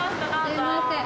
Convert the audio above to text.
すいません。